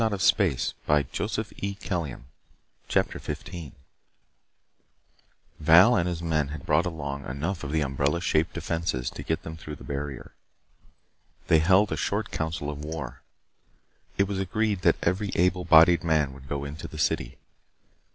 To the city as fast as we can " CHAPTER 15 Val and his men had brought along enough of the umbrella shaped defenses to get them through the barrier. They held a short council of war. It was agreed that every able bodied man would go into the city.